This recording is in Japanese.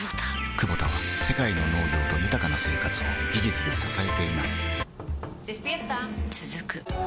クボタは世界の農業と豊かな生活を技術で支えています起きて。